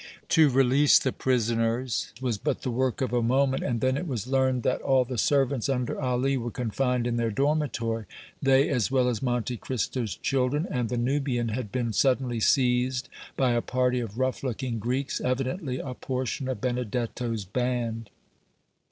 To release the prisoners was but the work of a moment, and then it was learned that all the servants under Ali were confined in their dormitory. They, as well as Monte Cristo's children and the Nubian, had been suddenly seized by a party of rough looking Greeks, evidently a portion of Benedetto's band.